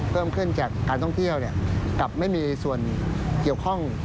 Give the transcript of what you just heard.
เพิ่มขึ้นจากการท่องเที่ยวกลับไม่มีส่วนเกี่ยวข้อง